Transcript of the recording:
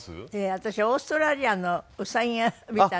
私オーストラリアのウサギみたいな。